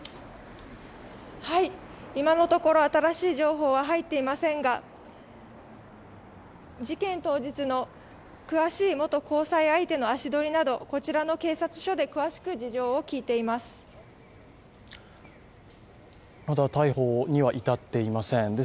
今のところ新しい情報は入っていませんが、事件当日の詳しい元交際相手の足どりなど、こちらの警察署で詳しく事情を聴いています。